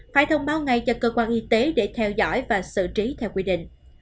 phải thông báo ngay cho cơ quan y tế để theo dõi và xử trí theo quy định